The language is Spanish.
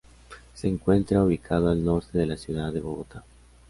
Se encuentra ubicado al norte de la ciudad de Bogotá.